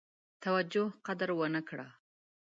توجه قدر ونه کړه.